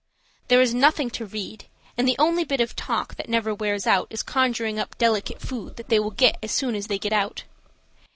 There is nothing to read, and the only bit of talk that never wears out is conjuring up delicate food that they will get as soon as they get out.